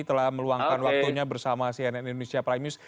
telah meluangkan waktunya bersama cnn indonesia prime news